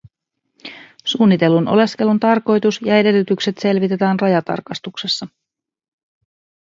Suunnitellun oleskelun tarkoitus ja edellytykset selvitetään rajatarkastuksessa.